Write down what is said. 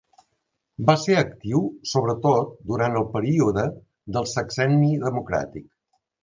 Va ser actiu sobretot durant el període del Sexenni Democràtic.